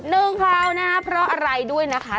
คราวนะครับเพราะอะไรด้วยนะคะ